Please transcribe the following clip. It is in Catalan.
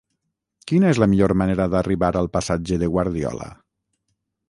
Quina és la millor manera d'arribar al passatge de Guardiola?